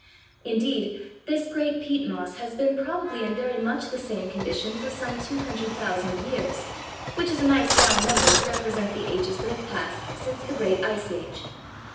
Indeed, this great peat moss has been probably in very much the same condition for some 200,000 years, which is a nice round number to represent the ages that have passed since the Great Ice Age.